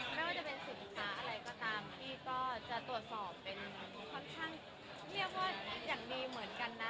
ไม่ว่าจะเป็นสินค้าอะไรก็ตามพี่ก็จะตรวจสอบเป็นค่อนข้างเรียกว่าอย่างดีเหมือนกันนะ